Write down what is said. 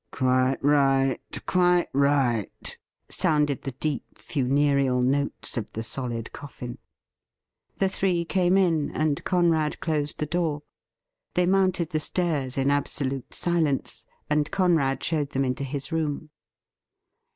' Quite right ! quite right !' soimded the deep funereal notes of the solid Coffin. The three came in, and Conrad closed the door. They A LEAP IN THE DARK 803 mounted the stairs in absolute silence, and Conrad showed them into his room.